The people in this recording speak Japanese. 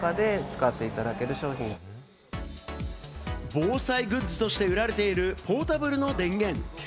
防災グッズとして売られているポータブルの電源。